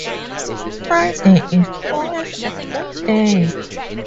Friday is always a good day.